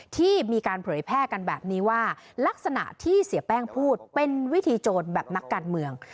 ที่มีการเผยแพร่กันแบบนี้ว่าลักษณะที่เสียแป้งพูดเป็นวิธีโจรแบบนักการเมือง